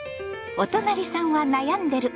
「おとなりさんはなやんでる。」。